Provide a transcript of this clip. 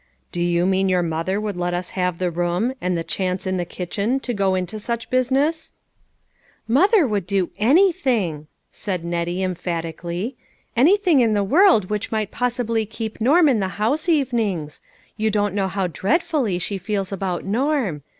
" Do you mean your mother would let us have the room, and the chance in the kitchen, to go into such business ?" "Mother would do anything," said Nettie emphatically, "anything in the world which might possibly keep Norm in the house even ings ; you don't know how dreadfully she feels about Norm.